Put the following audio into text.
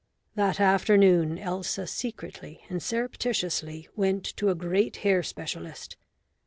That afternoon Elsa secretly and surreptitiously went to a great hair specialist.